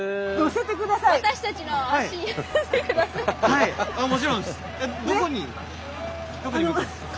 はいもちろんです。